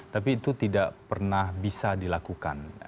tapi itu tidak pernah bisa dilakukan